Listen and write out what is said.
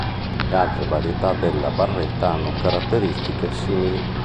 Le altre varietà della barretta hanno caratteristiche simili.